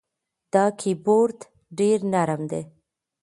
دا کیبورد ډېر نرم دی.